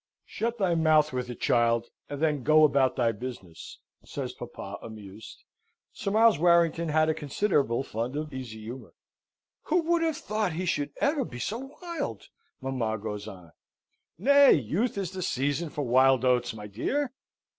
"Shut thy mouth with it, child, and then go about thy business," says papa, amused. Sir Miles Warrington had a considerable fund of easy humour. "Who would have thought he should ever be so wild?" mamma goes on. "Nay. Youth is the season for wild oats, my dear."